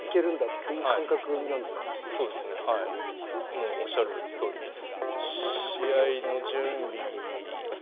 もうおっしゃるとおりです。